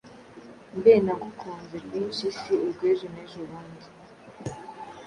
Mbe nagukunze rwinshi Si urwejo n’ejo bundi